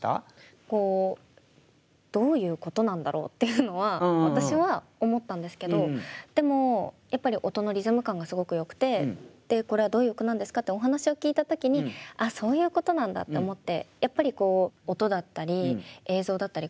「どういうことなんだろう？」っていうのは私は思ったんですけどでもやっぱり音のリズム感がすごくよくて「これはどういう句なんですか？」ってお話を聞いた時に「あっそういうことなんだ」って思って。